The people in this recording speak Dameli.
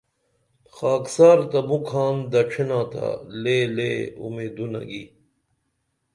خاکسار تہ مُکھان دڇھنا تا لے لے اُومیدونہ گی